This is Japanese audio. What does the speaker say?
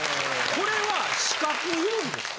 これは資格いるんですか？